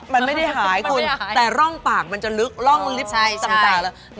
มันไม่ได้หายคุณแต่ร่องปากมันจะลึกร่องลิฟต์ต่างเลย